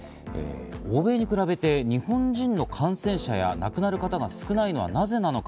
欧米に比べて日本人の感染者や亡くなる方が少ないのはなぜなのか。